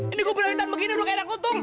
ini gua peneramutan begini udah kayak anak lutung